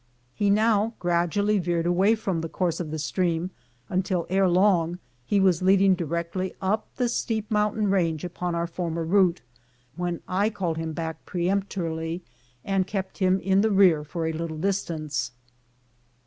He now gradually veered away from the course of the stream, until ere long he was leading directly up the steep mountain range upon our former route, when I called him back peremptorily, and kept him in the rear for a little distance.